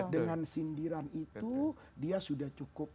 dengan sindiran itu dia sudah cukup